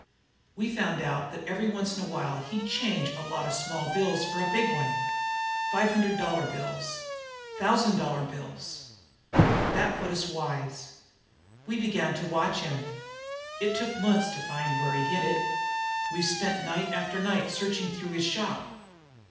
We found out that every once in a while he'd change a lot of small bills for a big one five hundred dollar bills thousand dollar bills. That put us wise. We began to watch him. It took months to find where he hid it. We've spent night after night searching through his shop.